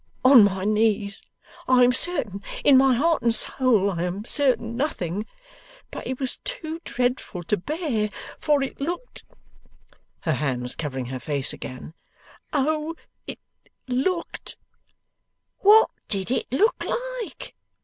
On my knees, I am certain, in my heart and soul I am certain, nothing! But it was too dreadful to bear; for it looked ' her hands covering her face again, 'O it looked ' 'What did it look like?